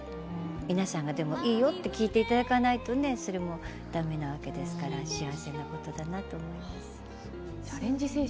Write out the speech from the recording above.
皆さんがいいよと聴いていただかないとねそれもだめなわけですから幸せなことだなと思います。